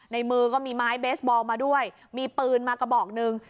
ในมือก็มีไม้เบสบอลมาด้วยมีปืนมากระบอกหนึ่ง